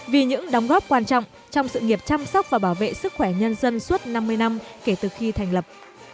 vì những đóng góp quan trọng trong sự nghiệp chăm sóc và bảo vệ sức khỏe nhân dân suốt năm mươi năm kể từ khi thành lập